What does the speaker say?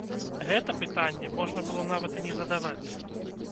Гэта пытанне можна было нават і не задаваць!